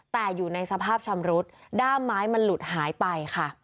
แต่อยู่ในสภาพชำรุดด้ามไม้มันหลุดหายไปค่ะ